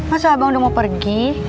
masa abang udah mau pergi